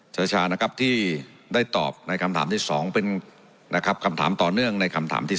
ชานะครับที่ได้ตอบในคำถามที่๒เป็นนะครับคำถามต่อเนื่องในคำถามที่๓